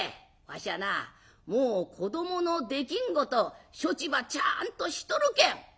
わしはなもう子どものできんこと処置ばちゃんとしとるけん」。